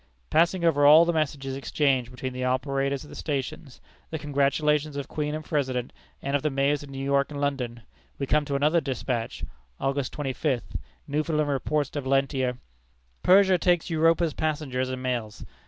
Passing over all the messages exchanged between the operators at the stations, the congratulations of Queen and President, and of the Mayors of New York and London, we come to another news despatch. August twenty fifth, Newfoundland reports to Valentia: "Persia takes Europa's passengers and mails.